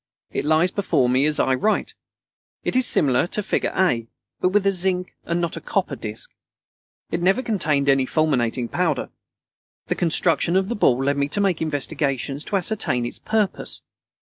It lies before me as I write. It is similar to figure A, and with a zinc and not a copper disc. It never contained any fulminating powder. The construction of the ball led me to make investigations to ascertain its purpose.